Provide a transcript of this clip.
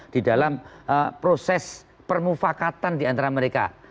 di dalam proses permufakatan diantara mereka